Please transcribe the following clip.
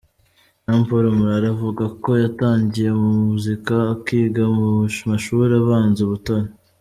Jean Paul Murara avuga ko yatangiye muzika akiga mu mashuri abanza i Butare.